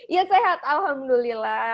iya sehat alhamdulillah